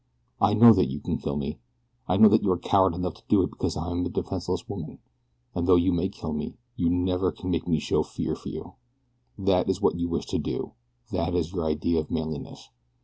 I know that you can kill me. I know that you are coward enough to do it because I am a defenseless woman; and though you may kill me, you never can make me show fear for you. That is what you wish to do that is your idea of manliness.